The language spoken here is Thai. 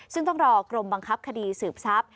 ซึ่งต้องรอกรมบังคับคดีสืบทรัพย